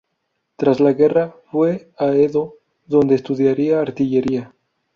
Tras la guerra, fue a Edo, donde estudiaría artillería.